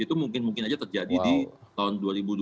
itu mungkin mungkin saja terjadi di tahun dua ribu dua puluh